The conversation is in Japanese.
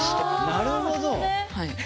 なるほどね！